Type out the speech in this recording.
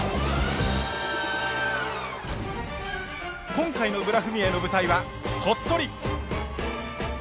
今回の「ブラフミエ」の舞台は鳥取！